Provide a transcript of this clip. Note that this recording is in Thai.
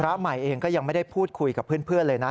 พระใหม่เองก็ยังไม่ได้พูดคุยกับเพื่อนเลยนะ